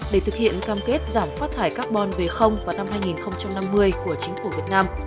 để thực hiện cam kết giảm phát thải carbon v vào năm hai nghìn năm mươi của chính phủ việt nam